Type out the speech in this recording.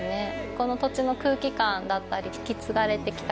この土地の空気感だったり引き継がれてきた